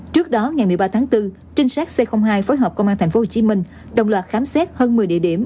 trước đó ngày một mươi ba tháng bốn trinh sát c hai phối hợp công an tp hcm đồng loạt khám xét hơn một mươi địa điểm